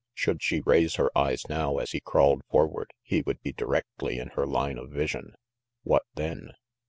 Should she raise her eyes now as he crawled forward, he would be directly in her line of vision. What then?